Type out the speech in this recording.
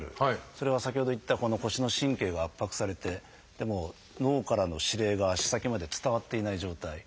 それは先ほど言った腰の神経が圧迫されて脳からの指令が足先まで伝わっていない状態。